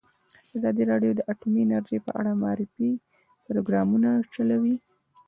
ازادي راډیو د اټومي انرژي په اړه د معارفې پروګرامونه چلولي.